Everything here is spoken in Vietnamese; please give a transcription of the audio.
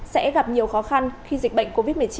sẽ gặp nhiều khó khăn khi dịch bệnh covid một mươi chín